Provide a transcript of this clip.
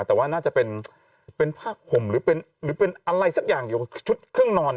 แต่ว่าน่าจะเป็นผ้าห่มหรือเป็นอะไรสักอย่างเกี่ยวกับชุดเครื่องนอน